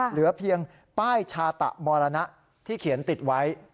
เหลือเพียงป้ายชาตะมรณะที่เขียนติดไว้